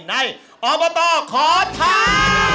ในออบเตอร์ขอทา